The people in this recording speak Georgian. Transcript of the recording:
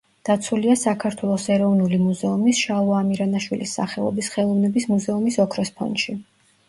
დაცულია საქართველოს ეროვნული მუზეუმის შალვა ამირანაშვილის სახელობის ხელოვნების მუზეუმის ოქროს ფონდში.